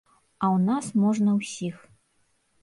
А ў нас можна ўсіх.